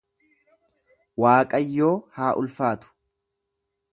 Waaqayyoo haa ulfaatu.